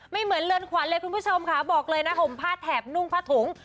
เหมือนเรือนขวัญเลยคุณผู้ชมค่ะบอกเลยนะห่มผ้าแถบนุ่งผ้าถุง